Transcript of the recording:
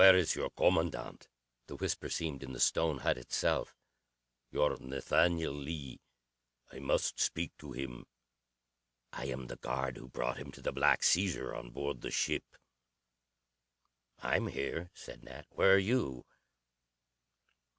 "Where is your Kommandant?" The whisper seemed in the stone hut itself. "Your Nathaniel Lee. I must speak to him. I am the guard who brought him to the Black Caesar on board the ship." "I'm here," said Nat. "Where are you?"